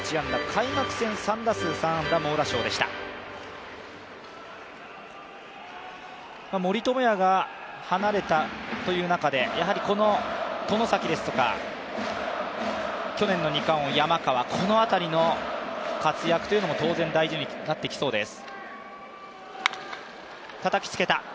開幕戦は３打数３安打、猛打賞でした森友哉が離れたという中で、外崎ですとか、去年の二冠王・山川、この辺りの活躍も当然大事になってきそうです。